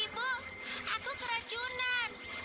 ibu aku keracunan